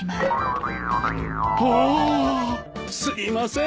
すみません